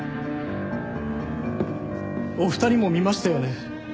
お二人も見ましたよね？